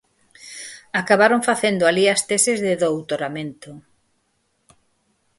Acabaron facendo alí as teses de doutoramento.